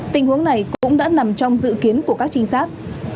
tình huống này cũng đã nằm trong dự kiến của các trinh sát